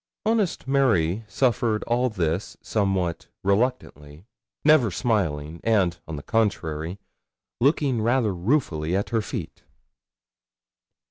Honest Mary suffered all this somewhat reluctantly, never smiling, and, on the contrary, looking rather ruefully at her feet.